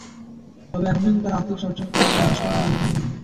তবে এখন পর্যন্ত তাঁরা আর্থিক অস্বচ্ছতার সুনির্দিষ্ট কোনো প্রমাণ দিতে পারেননি।